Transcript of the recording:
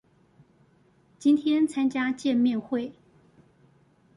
今天參加見面會